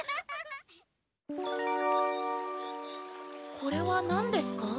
これは何ですか？